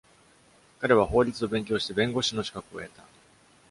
彼は法律を勉強して弁護士の資格を得た。